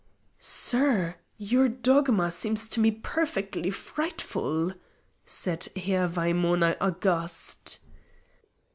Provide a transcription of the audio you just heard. "Sir, your dogma seems to me perfectly frightful!" said Herr Waimœner aghast.